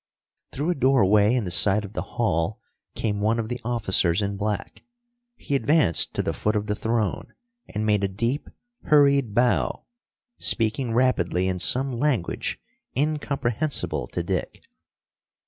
Through a doorway in the side of the hall came one of the officers in black. He advanced to the foot of the throne and made a deep, hurried bow, speaking rapidly in some language incomprehensible to Dick.